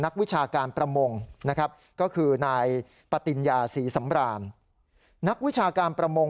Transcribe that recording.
นักวิชาการประมงก็คือนายประติญญาศรีสำบรรณนักวิชาการประมาณ